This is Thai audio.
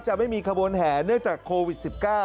ไม่มีขบวนแห่เนื่องจากโควิด๑๙